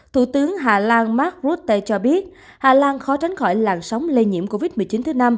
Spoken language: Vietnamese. thủ tướng hà lan mark rutte cho biết hà lan khó tránh khỏi làn sóng lây nhiễm covid một mươi chín thứ năm